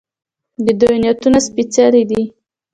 د دوی نیتونه سپیڅلي دي.